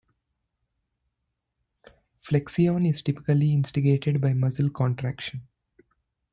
Flexion is typically instigated by muscle contraction.